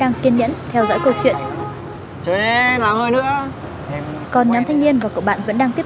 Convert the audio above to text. ngay lập tức đổ mọi trách nhiệm cho cậu bạn đăng khoa